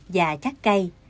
và chắc cây